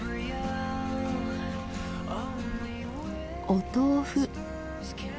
お豆腐。